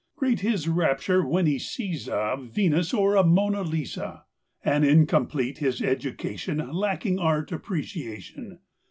Great his rapture when he sees a Venus or a Mona Lisa; And incomplete his education Lacking Art Appreciation.